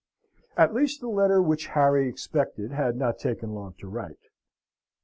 At least the letter which Harry expected had not taken long to write.